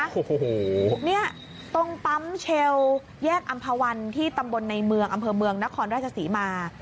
โอ้โหเนี่ยตรงปั๊มเชลแยกอำภาวันที่ตำบลในเมืองอำเภอเมืองนครราชศรีมา